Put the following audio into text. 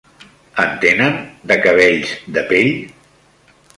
En tenen, de cabells de pell?